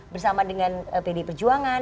bersama dengan pdi perjuangan